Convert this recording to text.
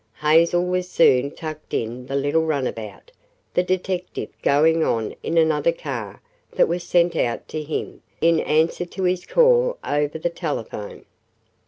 Hazel was soon tucked in the little runabout, the detective going on in another car that was sent out to him in answer to his call over the telephone.